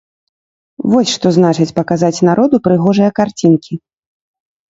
Вось што значыць паказаць народу прыгожыя карцінкі!